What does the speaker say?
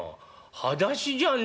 「はだしじゃねえよ。